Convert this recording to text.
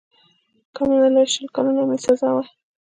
که منلې شل کلنه مي سزا وای